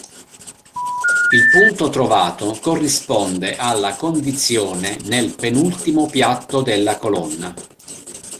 Il punto trovato corrisponde alla condizione nel penultimo piatto della colonna.